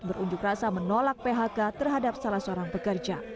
berunjuk rasa menolak phk terhadap salah seorang pekerja